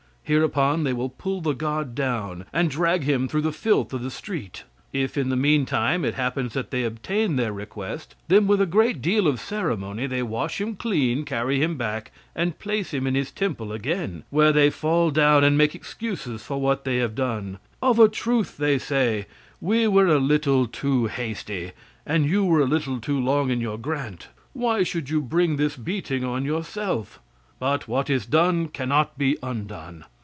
Hereupon they will pull the god down and drag him through the filth of the street. If, in the meantime, it happens that they obtain their request, then with a great deal of ceremony, they wash him clean, carry him back and place him in his temple again, where they fall down and make excuses for what they have done. 'Of a truth,' they say, 'we were a little too hasty, and you were a little too long in your grant. Why should you bring this beating on yourself. But what is done cannot be undone.'